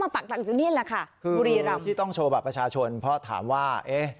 ปากตักอยู่นี่แหละค่ะคือบุรีรำที่ต้องโชว์บัตรประชาชนเพราะถามว่า